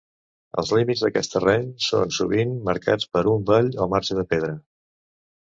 Els límits d'aquest terreny són sovint marcats per un vall o marge de pedra.